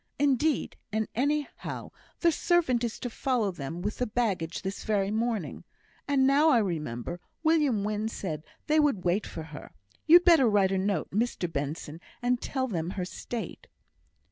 Indeed, and anyhow, the servant is to follow them with the baggage this very morning; and now I remember, William Wynn said they would wait for her. You'd better write a note, Mr Benson, and tell them her state."